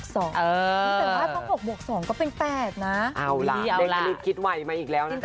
แต่ว่าพอ๖บวก๒ก็เป็น๘นะนี่เอาล่ะดังนั้นคิดไวมาอีกแล้วนะคะ